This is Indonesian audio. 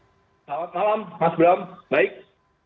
selamat malam mas bram